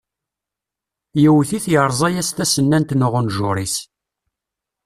Yewwet-it yerẓa-as tasennant n uɣenjuṛ-is.